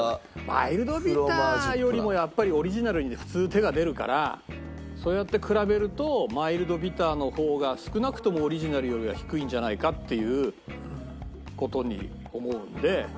マイルドビターよりもやっぱりオリジナルに普通手が出るからそうやって比べるとマイルドビターの方が少なくともオリジナルよりは低いんじゃないかっていう事に思うんで。